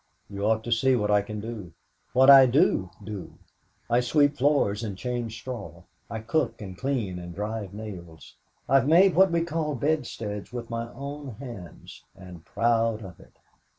You ought to see what I can do what I do do. I sweep floors and change straw. I cook and clean and drive nails. I've made what we call bedsteads with my own hands and proud of it!